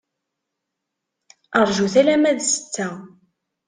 Rjut alamma d ssetta.